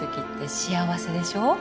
幸せでしょ？